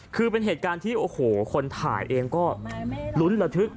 คือเป็นเหตุการณ์ที่โอ้โหคนถ่ายเองก็ลุ้นระทึก